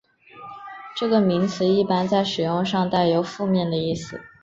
这个名词一般在使用上带有负面的意思。